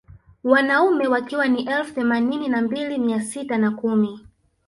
Wanaume wakiwa ni elfu themanini na mbili mia sita na kumi